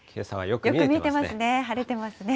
よく見えてますね。